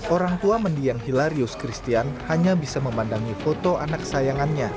orang tua mendiang hilarius christian hanya bisa memandangi foto anak saya